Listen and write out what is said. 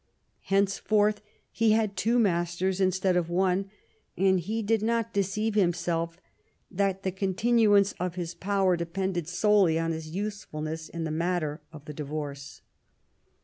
Henceforth he had two masters instead of one, and he did not deceive himself that the continuance of his power depended solely on his usefulness in the matter of the divorce.